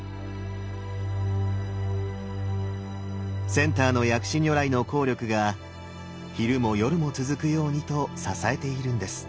センターの薬師如来の効力が昼も夜も続くようにと支えているんです。